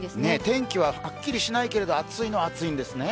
天気ははっきりしないけれども、暑いには暑いんですね。